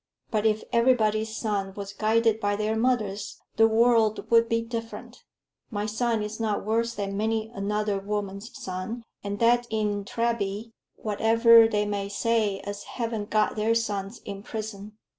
But if everybody's son was guided by their mothers, the world 'ud be different; my son is not worse than many another woman's son, and that in Treby, whatever they may say as haven't got their sons in prison.